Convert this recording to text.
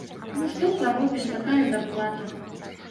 Ну што паробіш, такая зарплата!